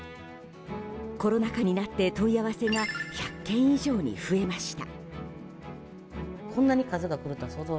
コロナ禍になって、問い合わせが１００件以上に増えました。